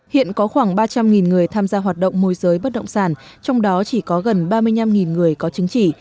hiện có khoảng ba trăm linh người tham gia hoạt động môi giới bất động sản trong đó chỉ có gần ba mươi năm người có chứng chỉ